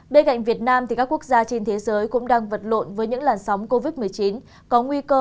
bên cạnh việt nam các quốc gia trên thế giới cũng đang vật lộn với những làn sóng covid một mươi chín có nguy cơ